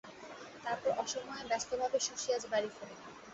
তারপর অসময়ে ব্যস্তভাবে শশী আজ বাড়ি ফেরে।